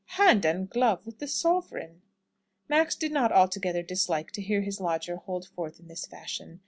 Hand and glove with the sovereign!" Maxfield did not altogether dislike to hear his lodger hold forth in this fashion.